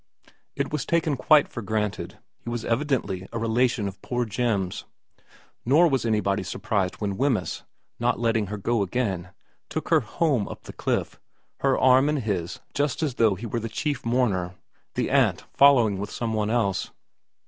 It was taken quite for granted. He was evidently a relation of poor Jim's. Nor was anybody surprised when Wemyss, not letting her go again, took her home up the cliff, her arm in his just as though he were the chief mourner, the aunt following with some one else.